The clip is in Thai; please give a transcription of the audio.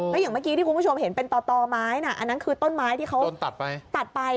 แล้วอย่างเมื่อกี้ที่คุณผู้ชมเห็นเป็นต่อไม้น่ะอันนั้นคือต้นไม้ที่เขาตัดไป